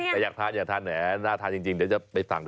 แต่อยากทานอยากทานแหน่าทานจริงเดี๋ยวจะไปสั่ง